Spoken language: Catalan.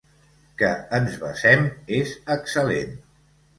Que ens besem és excel·lent.